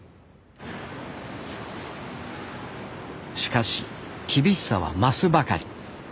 しかし厳しさは増すばかり。